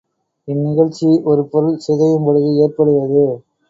இந்நிகழ்ச்சி ஒரு பொருள் சிதையும்பொழுது ஏற்படுவது.